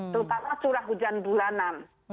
terutama curah hujan bulanan